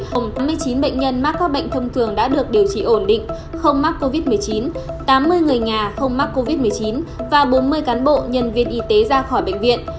gồm tám mươi chín bệnh nhân mắc các bệnh thông thường đã được điều trị ổn định không mắc covid một mươi chín tám mươi người nhà không mắc covid một mươi chín và bốn mươi cán bộ nhân viên y tế ra khỏi bệnh viện